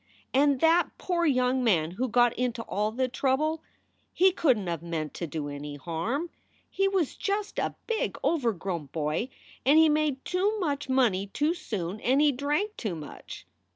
* And that poor young man who got into all the trouble he couldn t have meant to do any harm. He was just a big, overgrown boy, and he made too much money too soon, and he drank too much.